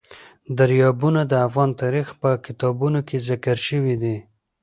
دریابونه د افغان تاریخ په کتابونو کې ذکر شوی دي.